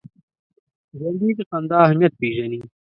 ژوندي د خندا اهمیت پېژني